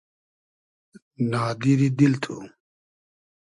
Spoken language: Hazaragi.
نادیری دیل تو